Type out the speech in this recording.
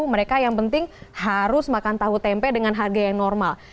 mereka yang penting harus makan tahu tempe dengan harga yang normal